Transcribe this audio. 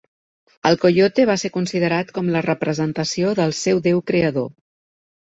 El Coyote va ser considerat com la representació del seu déu creador.